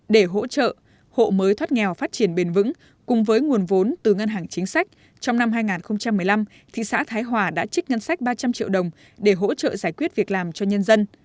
để hỗ trợ hộ mới thoát nghèo phát triển bền vững cùng với nguồn vốn từ ngân hàng chính sách trong năm hai nghìn một mươi năm thị xã thái hòa đã trích ngân sách ba trăm linh triệu đồng để hỗ trợ giải quyết việc làm cho nhân dân